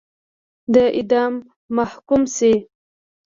د اعدام محکوم شي.